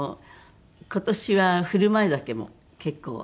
今年は振る舞い酒も結構。